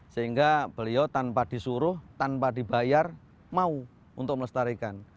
sehingga beliau tanpa disuruh tanpa dibayar mau untuk melestarikan